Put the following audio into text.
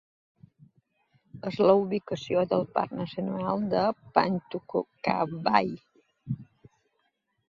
És la ubicació del Parc Nacional de Pawtuckaway.